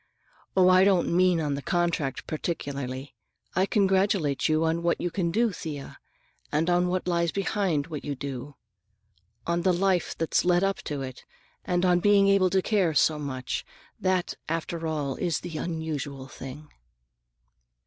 "Oh, I don't mean on the contract particularly. I congratulate you on what you can do, Thea, and on all that lies behind what you do. On the life that's led up to it, and on being able to care so much. That, after all, is the unusual thing."